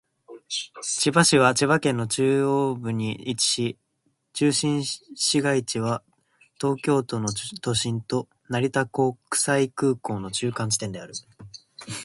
千葉市は千葉県の中央部に位置し、中心市街地は東京都の都心と成田国際空港の中間地点である。